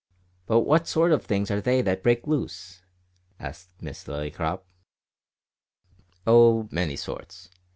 "But what sort of things are they that break loose?" asked Miss Lillycrop. "Oh, many sorts.